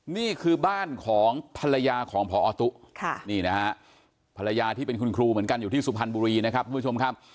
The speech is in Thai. นี่คือบ้านของภรรยาของพอตุ๊นี่นะฮะภรรยาที่เป็นคุณครูเหมือนกันอยู่ที่สุพรรณบุรีนะครับทุกผู้ชมครับ